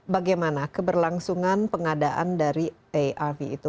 bagaimana keberlangsungan pengadaan dari arv itu